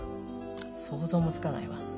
想像もつかないわ。